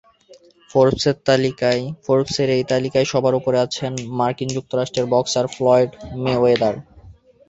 ফোর্বসের এই তালিকায় সবার ওপরে আছেন মার্কিন যুক্তরাষ্ট্রের বক্সার ফ্লয়েড মেওয়েদর।